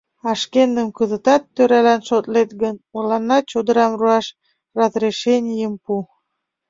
— А шкендым кызытат тӧралан шотлет гын, мыланна чодырам руаш разрешенийым пу.